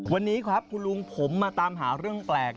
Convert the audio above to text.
วันนี้ครับคุณลุงผมมาตามหาเรื่องแปลก